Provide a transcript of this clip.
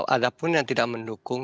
ada pun yang tidak mendukung